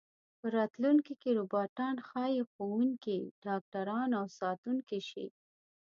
په راتلونکي کې روباټان ښايي ښوونکي، ډاکټران او ساتونکي شي.